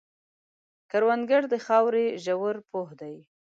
کروندګر د خاورې ژور پوه دی